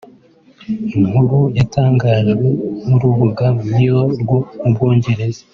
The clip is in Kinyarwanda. Inkuru yatanganjwe n’urubuga Mirror rwo mu Bwongereza